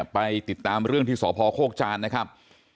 ไปติดตามเรื่องที่สพโคกจานนะครับ